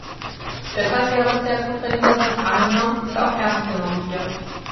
Deshalb wäre es sehr gut, wenn dieser Bericht angenommen und auch ernst genommen wird.